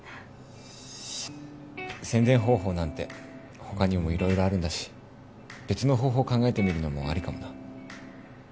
宣伝方法なんて他にも色々あるんだし別の方法考えてみるのもアリかもな